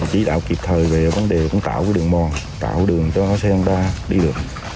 chỉ đạo kịp thời về vấn đề tạo đường mòn tạo đường cho xe hông đa đi được